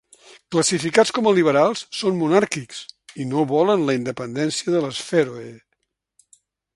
Classificats com a liberals, són monàrquics i no volen la independència de les Fèroe.